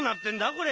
これ。